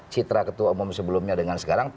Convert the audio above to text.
citra ketua umum sebelumnya dengan sekarang